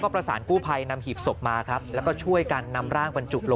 ประสานกู้ภัยนำหีบศพมาครับแล้วก็ช่วยกันนำร่างบรรจุลง